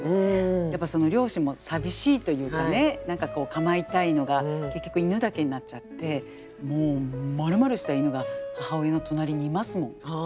やっぱ両親も寂しいというかね何か構いたいのが結局犬だけになっちゃってもうまるまるした犬が母親の隣にいますもん。